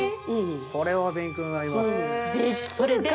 これは勉強になりますね。